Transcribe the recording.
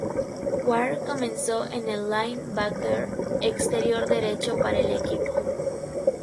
Ware comenzó en el linebacker exterior derecho para el equipo.